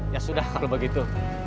ya sudah kalau begitu